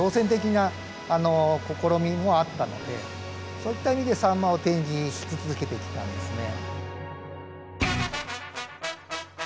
そういった意味でサンマを展示し続けてきたんですね。